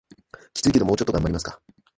キツいけどもうちょっと頑張りますか